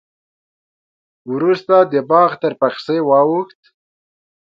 وروسته د باغ تر پخڅې واوښت.